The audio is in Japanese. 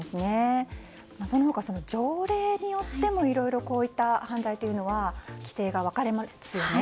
その他、条例によってもいろいろ、こういった犯罪の規定が分かれますよね。